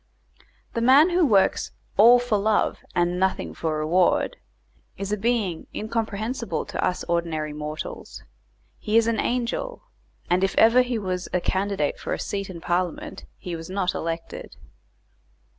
The man who works "all for love and nothing for reward" is a being incomprehensible to us ordinary mortals; he is an angel, and if ever he was a candidate for a seat in Parliament he was not elected.